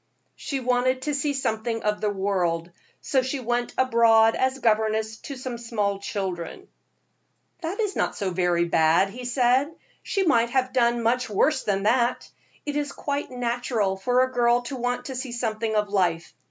"She wanted to see something of the world, so she went abroad as governess to some little children." "That was not so very bad," he said. "She might have done much worse than that. It is quite natural for a girl to want to see something of life.